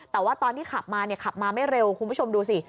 แต่ว่าตอนที่ขับมาเนี่ยขับมาไม่เร็วคุณผู้ชมดูสิ